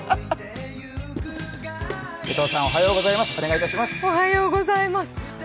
江藤さん、おはようございます。